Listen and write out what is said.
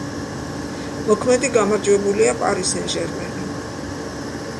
მოქმედი გამარჯვებულია „პარი სენ-ჟერმენი“.